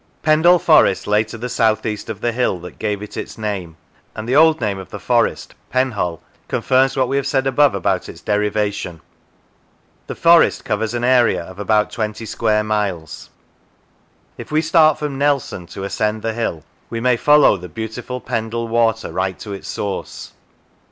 Pendle Forest lay to the south east of the hill that gave it its name, and the old name of the forest, Penhull, confirms what we have said above about its derivation. The forest covers an area of about twenty square miles. If we start from Nelson to ascend the hill, we may follow the beautiful Pendle Water right to its source.